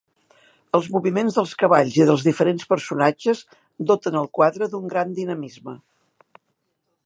Els moviments dels cavalls i dels diferents personatges doten al quadre d'un gran dinamisme.